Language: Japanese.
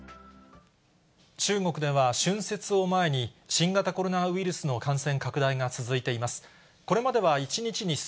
中国では、春節を前に、新型コロナウイルスの感染拡大が続いています。